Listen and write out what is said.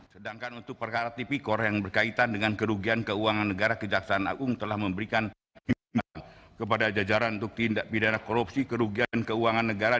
sedangkan untuk perkara tipikor yang berkaitan dengan kerugian keuangan negara kejaksaan agung telah memberikan kepada jajaran untuk tindak pidana korupsi kerugian keuangan negara